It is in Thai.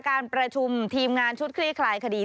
การประชุมทีมงานชุดคลี่คลายคดี